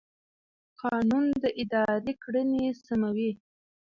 قانون د ادارې کړنې سموي.